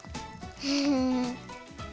フフフ。